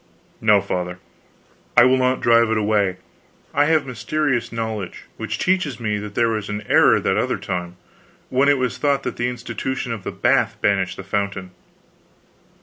"No, Father, I will not drive it away. I have mysterious knowledge which teaches me that there was an error that other time when it was thought the institution of the bath banished the fountain."